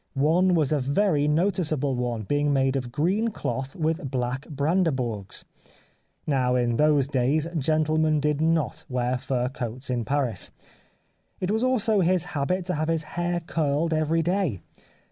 One was a very noticeable one, being made of green cloth with black hrandehourgs. Now, in those days gentlemen did not wear fur coats in Paris. It was also his habit to have his hair curled every day.